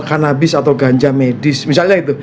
kanabis atau ganja medis misalnya itu